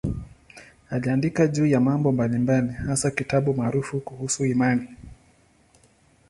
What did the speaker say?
Aliandika juu ya mambo mbalimbali, hasa kitabu maarufu kuhusu imani.